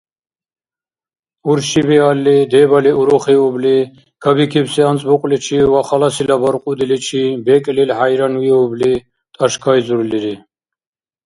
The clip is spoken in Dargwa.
Урши биалли, дебали урухиубли, кабикибси анцӀбукьличи ва халасила баркьудиличи бекӀлил хӀяйранвиубли, тӀашкайзурлири.